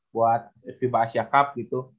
buat fiba asia cup gitu